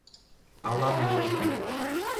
A la minuta